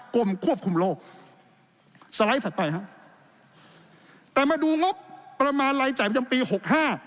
กรมควบคุมโรคสไลด์ถัดไปฮะแต่มาดูงบประมาณรายจ่ายประจำปีหกห้า